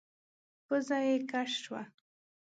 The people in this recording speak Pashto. پزه يې کش شوه.